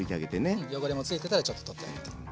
うん汚れもついてたらちょっと取ってあげて。